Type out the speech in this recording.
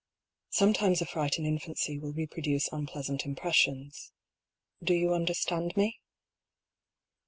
"Sometimes a fright in infancy will re produce unpleasant impressions. ... Do you under stand me